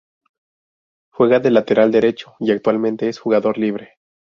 Juega de lateral derecho y actualmente es jugador libre.